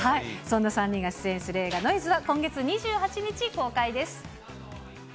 そんな３人が出演する映画、ノイズは今月２８日公開です。